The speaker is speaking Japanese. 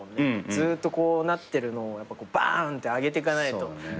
ずーっとこうなってるのをばーんって上げてかないと。